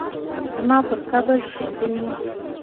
زما پر قبر شیندي